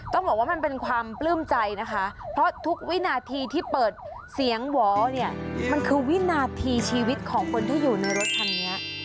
ต้องบอกว่ามันเป็นความปลื้มใจนะคะเพราะทุกวินาทีที่เปิดเสียงหวอเนี่ยมันคือวินาทีชีวิตของคนที่อยู่ในรถคันนี้